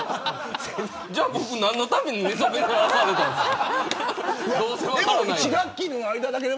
じゃあ僕、何のために寝そべらされたんですか。